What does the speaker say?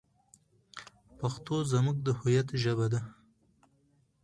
پښتو زموږ د هویت ژبه ده.